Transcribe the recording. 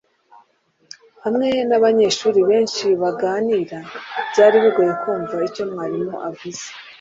Hamwe nabanyeshuri benshi baganira, byari bigoye kumva icyo mwarimu yavuze